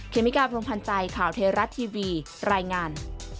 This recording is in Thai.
เมกาพรมพันธ์ใจข่าวเทราะทีวีรายงาน